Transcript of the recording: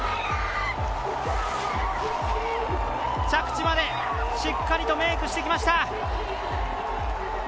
着地までしっかりとメークしてきました。